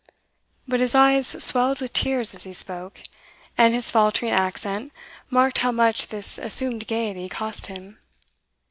But his eyes swelled with tears as he spoke, and his faltering accent marked how much this assumed gaiety cost him.